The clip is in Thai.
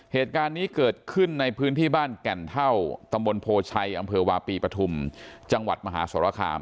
เหตุการณ์นี้เกิดขึ้นในพื้นที่บ้านแก่นเท่าตำบลโพชัยอำเภอวาปีปฐุมจังหวัดมหาสรคาม